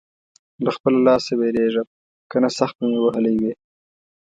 له خپله لاسه وېرېږم؛ که نه سخت به مې وهلی وې.